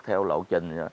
theo lộ trình